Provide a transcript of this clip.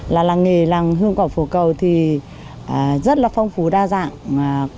làng nghề làng hương quảng phú cầu thì rất là phong phú đa dạng